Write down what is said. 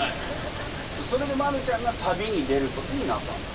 それでマルちゃんが旅に出ることになったんだ。